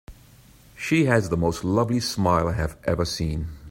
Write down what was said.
She has the most lovely smile I have ever seen.